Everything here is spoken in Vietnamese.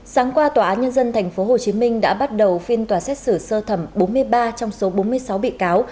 sáng qua tòa án nhân dân tp hcm đã bắt đầu phiên tòa xét xử sơ thẩm bốn mươi ba trong số bốn mươi sáu bị cáo